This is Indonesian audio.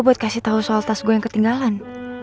buat kasih tau soal tas gue yang ketinggalan